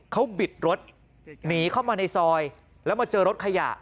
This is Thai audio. เขาบิดรถหนีเข้ามาในซอยแล้วมาเจอรถขยะ